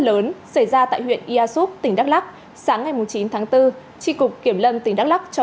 lớn xảy ra tại huyện ia súp tỉnh đắk lắc sáng ngày chín tháng bốn tri cục kiểm lâm tỉnh đắk lắc cho